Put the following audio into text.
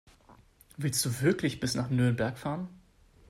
Willst du wirklich bis nach Nürnberg fahren?